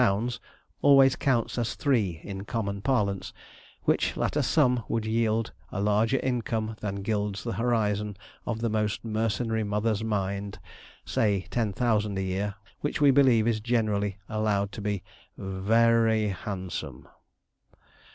_ always counts as three in common parlance, which latter sum would yield a larger income than gilds the horizon of the most mercenary mother's mind, say ten thousand a year, which we believe is generally allowed to be 'v a a ry handsome.'